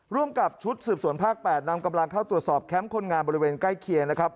ร่วมกับชุดสืบสวนภาค๘นำกำลังเข้าตรวจสอบแคมป์คนงานบริเวณใกล้เคียงนะครับ